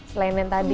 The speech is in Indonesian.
selain yang tadi